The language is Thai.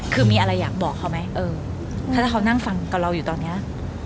คือมีอะไรอยากบอกเขาไหมเออถ้าเขานั่งฟังกับเราอยู่ตอนนี้